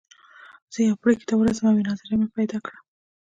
زه يوې پرېکړې ته ورسېدم او يوه نظريه مې پيدا کړه.